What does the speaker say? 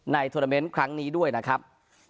ในโทรเตอร์เมนต์ครั้งนี้ด้วยนะครับ